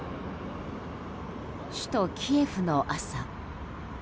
首都キエフの朝。